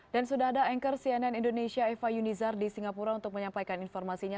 dan sudah ada anchor cnn indonesia eva yunizar di singapura untuk menyampaikan informasinya